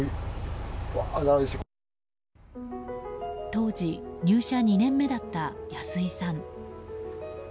当時、入社２年目だった安井さん。